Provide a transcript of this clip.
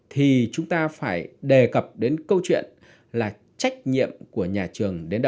thì chúng ta phải đề cập đến câu chuyện là trách nhiệm của nhà trường đến đâu